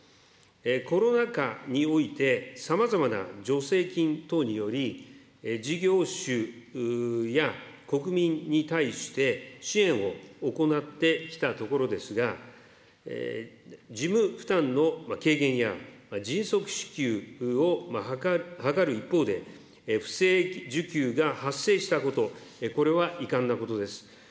コロナ禍においてさまざまな助成金等により、事業主や国民に対して支援を行ってきたところですが、事務負担の軽減や、迅速支給を図る一方で、不正受給が発生したこと、これは遺憾なことです。